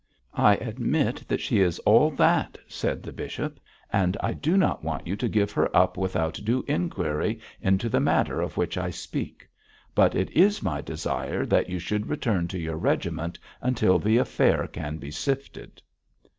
'I admit that she is all that,' said the bishop, 'and I do not want you to give her up without due inquiry into the matter of which I speak. But it is my desire that you should return to your regiment until the affair can be sifted.'